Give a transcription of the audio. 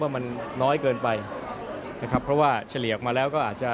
ว่ามันน้อยเกินไปนะครับเพราะว่าเฉลี่ยออกมาแล้วก็อาจจะ